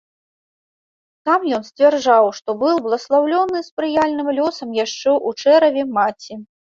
Сам ён сцвярджаў, што быў бласлаўлёны спрыяльным лёсам яшчэ ў чэраве маці.